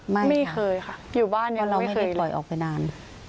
ไม่ค่ะไม่เคยค่ะอยู่บ้านยังไม่เคยเราไม่ได้ปล่อยออกไปนาน